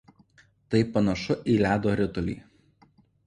Tai panašu į ledo ritulį.